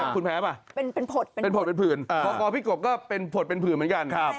คุณแพ้ป่ะเป็นผดเป็นผื่นพอกอพี่กบก็เป็นผดเป็นผื่นเหมือนกัน